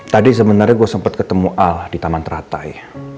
tadi sebenarnya gue sempat ketemu al di taman teratai